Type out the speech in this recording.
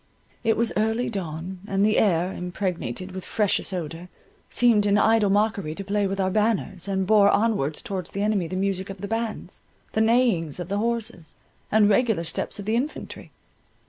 It was early dawn, and the air, impregnated with freshest odour, seemed in idle mockery to play with our banners, and bore onwards towards the enemy the music of the bands, the neighings of the horses, and regular step of the infantry.